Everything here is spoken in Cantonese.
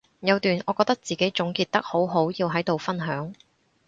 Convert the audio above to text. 有段我覺得自己總結得好好要喺度分享